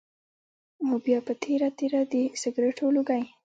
او بيا پۀ تېره تېره د سګرټو لوګی